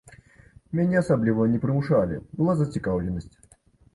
Мяне асабліва не прымушалі, была зацікаўленасць.